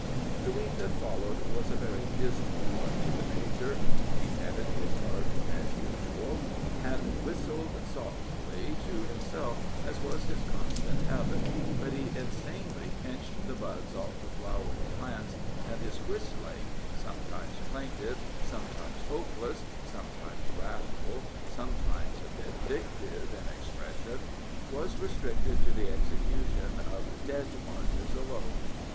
The week that followed was a very dismal one to the major. He petted his garden as usual, and whistled softly to himself, as was his constant habit, but he insanely pinched the buds off the flowering plants, and his whistling sometimes plaintive, sometimes hopeless, sometimes wrathful, sometimes vindictive in expression was restricted to the execution of dead marches alone.